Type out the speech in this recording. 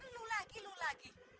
lu lagi lu lagi